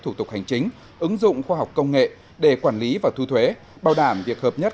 thủ tục hành chính ứng dụng khoa học công nghệ để quản lý và thu thuế bảo đảm việc hợp nhất